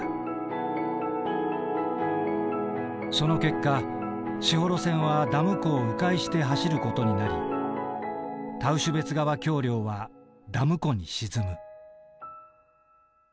その結果士幌線はダム湖を迂回して走る事になりタウシュベツ川橋梁はダム湖に沈む。